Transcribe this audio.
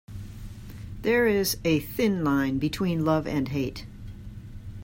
There is a thin line between love and hate.